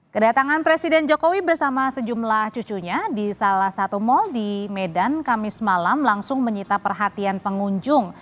kedatangan presiden jokowi bersama sejumlah cucunya di salah satu mal di medan kamis malam langsung menyita perhatian pengunjung